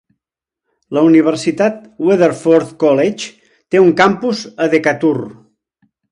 La universitat Weatherford College té un campus a Decatur.